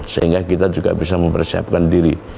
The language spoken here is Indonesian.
sehingga kita juga bisa mempersiapkan diri